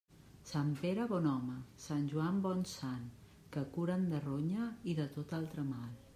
Sant Pere bon home, Sant Joan bon sant, que curen de ronya i de tot altre mal.